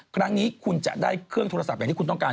ครั้งนี้คุณจะได้เครื่องโทรศัพท์อย่างที่คุณต้องการ